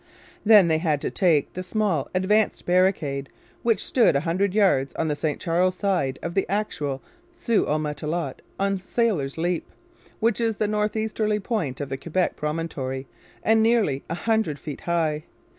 Then they had to take the small advanced barricade, which stood a hundred yards on the St Charles side of the actual Sault au Matelot or Sailor's Leap, which is the north easterly point of the Quebec promontory and nearly a hundred feet high.